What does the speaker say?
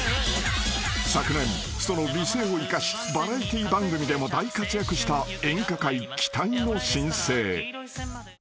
［昨年その美声を生かしバラエティー番組でも大活躍した演歌界期待の新星］